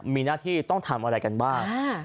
มีหน้าที่ต้องทำอะไรกันบ้าง